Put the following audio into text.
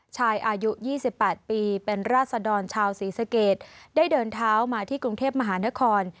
อายุ๒๘ปีเป็นราศดรชาวศรีสเกตได้เดินเท้ามาที่กรุงเทพมหานคร